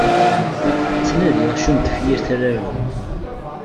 Ttnadiɣ acu n tefyirt ara aruɣ.